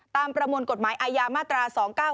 ประมวลกฎหมายอาญามาตรา๒๙๙